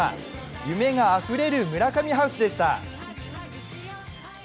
夢があふれる村神ハウスでした。